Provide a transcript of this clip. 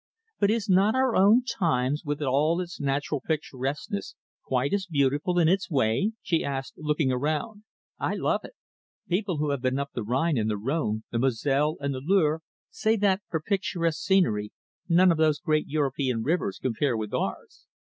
"But is not our own Thames, with all its natural picturesqueness, quite as beautiful in its way?" she asked, looking around. "I love it. People who have been up the Rhine and the Rhone, the Moselle and the Loire, say that for picturesque scenery none of those great European rivers compare with ours."